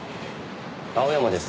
青山です。